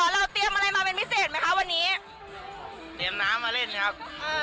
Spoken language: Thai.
เราเตรียมอะไรมาเป็นพิเศษไหมคะวันนี้เตรียมน้ำมาเล่นครับ